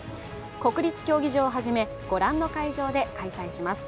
国立競技場を始め御覧の会場で開催します。